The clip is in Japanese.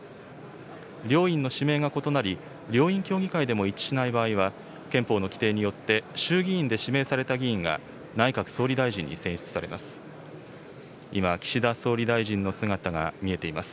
両院の指名が異なり、両院協議会でも一致しない場合は、憲法の規定によって、衆議院で指名された議員が、内閣総理大臣に選出されます。